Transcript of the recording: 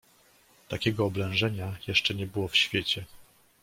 "Takiego oblężenia jeszcze nie było w świecie!"